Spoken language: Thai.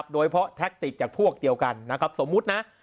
โดยเพราะแท็กติกจากพวกเดียวกันนะครับสมมุตินะ